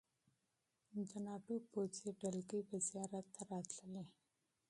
د ناټو پوځي دلګۍ به زیارت ته راتللې.